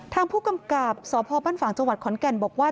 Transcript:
ทางผู้กำกับสพบ้านฝจขอนแก่นบอกว่า